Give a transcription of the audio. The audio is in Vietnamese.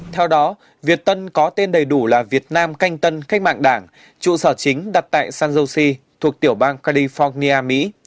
theo đó việt tân có tên đầy đủ là việt nam canh tân khách mạng đảng trụ sở chính đặt tại san jose thuộc tiểu bang california mỹ